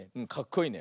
いいね。